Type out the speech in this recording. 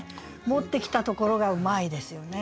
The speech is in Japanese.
持ってきたところがうまいですよね。